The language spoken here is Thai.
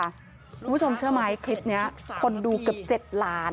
คุณผู้ชมเชื่อไหมคลิปนี้คนดูเกือบ๗ล้าน